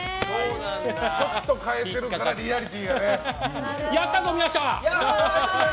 ちょっと変えてるからリアリティーがね。